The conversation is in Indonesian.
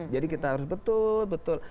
jadi kita harus betul betul